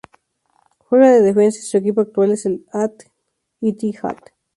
Juega de defensa y su equipo actual es el Al-Ittihad.